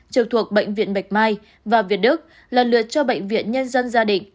trực thuộc bệnh viện bạch mai và việt đức lần lượt cho bệnh viện nhân dân gia định